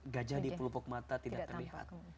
gajah di pelupuk mata tidak terlihat